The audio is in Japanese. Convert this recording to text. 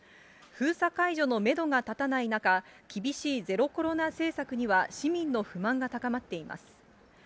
封鎖解除のメドが立たない中、厳しいゼロコロナ政策には市民の不満が高まっています。